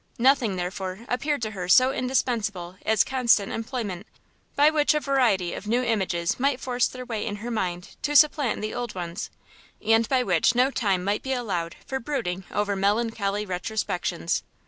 Nothing, therefore, appeared to her so indispensable as constant employment, by which a variety of new images might force their way in her mind to supplant the old ones, and by which no time might be allowed for brooding over melancholy retrospections.